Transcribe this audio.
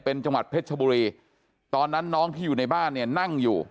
เป็นจังหวัดเพชรชบุรีตอนนั้นน้องที่อยู่ในบ้านเนี่ยนั่งอยู่